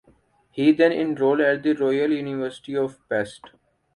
He then enrolled at the Royal University of Pest.